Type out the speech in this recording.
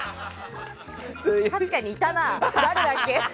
確かにいたな誰だっけ。